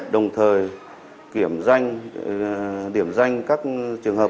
đồng thời kiểm danh điểm danh các trường hợp